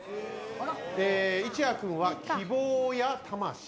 一羽君は「希望や魂」